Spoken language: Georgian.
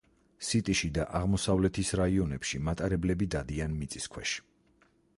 სიტიში და აღმოსავლეთის რაიონებში მატარებლები დადიან მიწის ქვეშ.